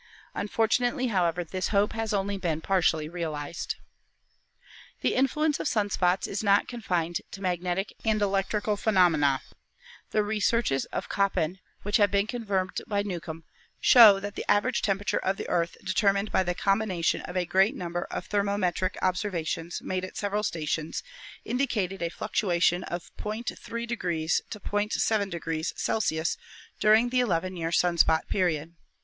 Unfortunately, however, this hope has been only partially realized." The influence of sun spots is not confined to magnetic and electrical phenomena. The researches of Koppen, 104 ASTRONOMY which have been confirmed by Newcomb, show that the average temperature of the Earth determined by the com bination of a great number of thermometric observations made at several stations indicated a fluctuation of 0.3 to 0.7 C. during the 11 year sun spot period.